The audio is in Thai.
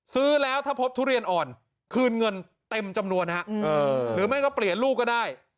ซื้อแล้วถ้าพบทุเรียนอ่อนคืนเงินเต็มจำนวนฮะหรือไม่ก็เปลี่ยนลูกก็ได้